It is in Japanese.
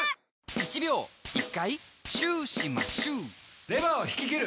「１秒１回シューしまシュー」レバーを引き切る！